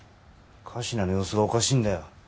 神志名の様子がおかしいんだよ